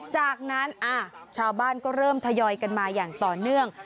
จากนั้นชาวบ้านก็เริ่มทยอยกันมาอย่างต่อเนื่อง